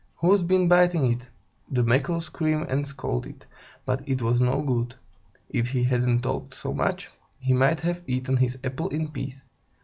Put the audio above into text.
Who's been biting it?" The Macaw screamed and scolded, but it was no good. If he hadn't talked so much, he might have eaten his apple in peace.